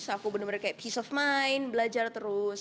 aku benar benar kayak peace of mind belajar terus